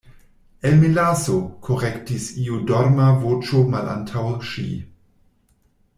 "El melaso," korektis iu dorma voĉo malantaŭ ŝi.